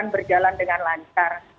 berjalan dengan lancar